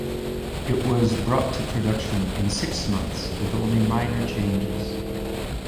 It was brought to production in six months with only minor changes.